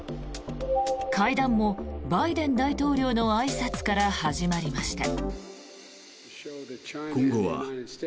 会談もバイデン大統領のあいさつから始まりました。